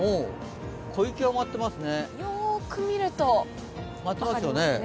小雪が舞っていますね。